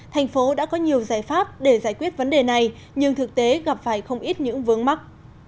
thành phố đã có nhiều giải pháp để giải quyết vấn đề này nhưng thực tế gặp phải không ít những vướng mắt